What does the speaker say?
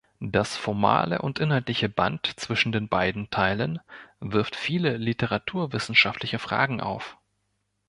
Das formale und inhaltliche Band zwischen den beiden Teilen wirft viele literaturwissenschaftliche Fragen auf.